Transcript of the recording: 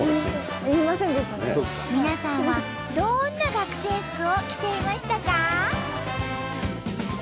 皆さんはどんな学生服を着ていましたか？